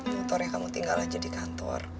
motornya kamu tinggal aja di kantor